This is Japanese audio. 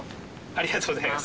ありがとうございます。